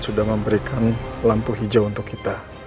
sudah memberikan lampu hijau untuk kita